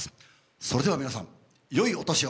それでは皆さん、よいお年を！